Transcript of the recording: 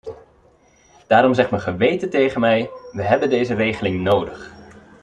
Daarom zegt mijn geweten tegen mij: we hebben deze regeling nodig.